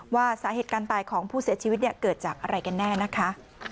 สาเหตุการณ์ตายของผู้เสียชีวิตเกิดจากอะไรกันแน่นะคะ